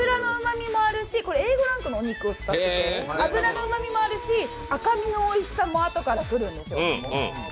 Ａ５ランクのお肉を使っていて、脂身のうまみもあって赤身のおいしさもあとから来るんですよ。